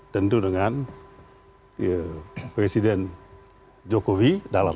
tentu dengan presiden jokowi